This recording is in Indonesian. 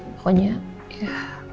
pokoknya ya berdoa aja